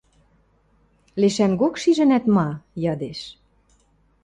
— Лешӓнгок шижӹнӓт ма? — ядеш.